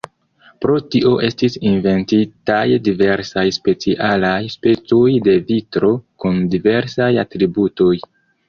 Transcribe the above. Pro tio estis inventitaj diversaj specialaj specoj de vitro kun diversaj atributoj.